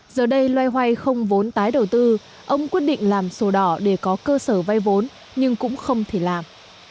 giờ đây loay hoay không vốn tái đầu tư ông quyết định làm sổ đỏ để có cơ sở vay vốn nhưng cũng không thể làm